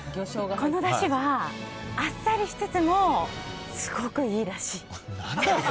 このだしは、あっさりしつつもすごくいいだし。